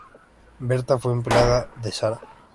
Berta fue empleada de Sara.